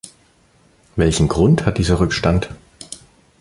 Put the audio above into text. Welchen Grund hat dieser Rückstand?